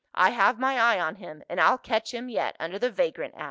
I have my eye on him and I'll catch him yet, under the Vagrant Act!"